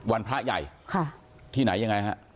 วันพระใหญ่ค่ะที่ไหนยังไงฮะ